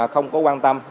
không có quan tâm